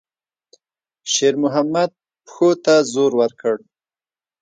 شېرمحمد پښو ته زور ورکړ.